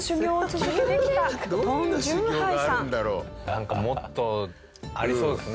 なんかもっとありそうですね。